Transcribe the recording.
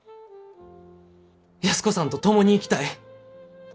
安子さんと共に生きたい。